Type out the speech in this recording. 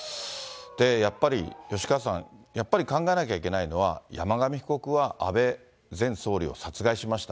やっぱり、吉川さん、やっぱり考えなきゃいけないのは、山上被告は安倍前総理を殺害しました。